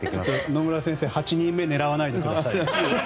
野村先生８人目を狙わないでください。